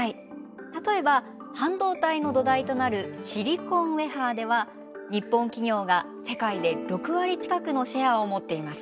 例えば半導体の土台となるシリコンウエハーでは日本企業が世界で６割近くのシェアを持っています。